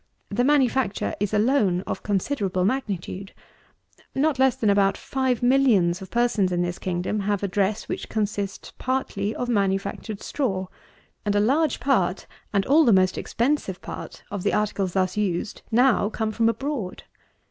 The manufacture is alone of considerable magnitude. Not less than about five millions of persons in this kingdom have a dress which consists partly of manufactured straw; and a large part, and all the most expensive part, of the articles thus used, now come from abroad.